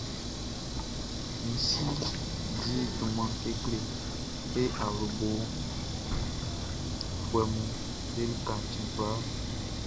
Min si di junman kekle e awlobofuɛʼm be lika cɛn kwlakwla.